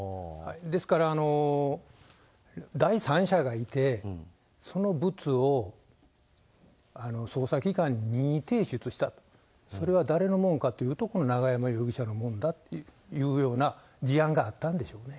ですから、第三者がいて、そのぶつを捜査機関に任意提出した、それは誰のもんかというとこの永山容疑者のもんだというような事案があったんでしょうね。